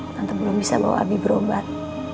nanti belum bisa bawa abi berobat